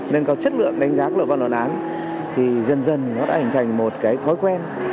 nên có chất lượng đánh giá của luật pháp luật án thì dần dần nó đã hình thành một cái thói quen